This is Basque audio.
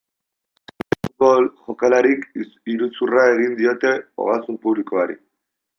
Zenbait futbol jokalarik iruzurra egin diote ogasun publikoari.